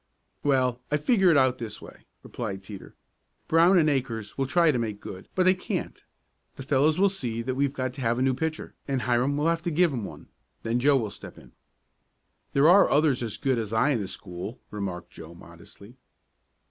"Well, I figure it out this way," replied Teeter. "Brown and Akers will try to make good but they can't. The fellows will see that we've got to have a new pitcher, and Hiram will have to give 'em one. Then Joe will step in." "There are others as good as I in the school," remarked Joe modestly.